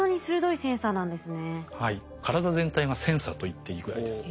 体全体がセンサーといっていいぐらいです。